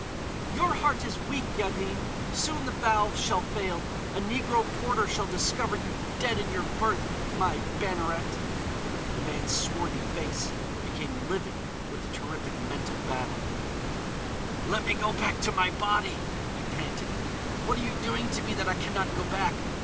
"Your heart is weak, Yaddin. Soon the valves shall fail. A negro porter shall discover you dead in your berth, my Banneret!" The man's swarthy face became livid with the terrific mental battle. "Let me go back to my body!" he panted. "What are you doing to me that I can not go back?